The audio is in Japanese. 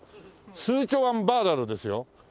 スーチョワンバーラルですよ。